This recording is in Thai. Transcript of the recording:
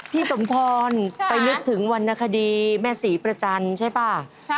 สมพรไปนึกถึงวรรณคดีแม่ศรีประจันทร์ใช่ป่ะ